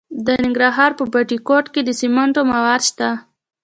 د ننګرهار په بټي کوټ کې د سمنټو مواد شته.